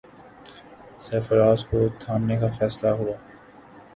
سرفراز کو تھمانے کا فیصلہ ہوا۔